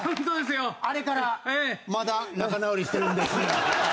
あれからまだ仲直りしてないんです。